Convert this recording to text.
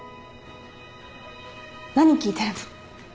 何聴いてるの？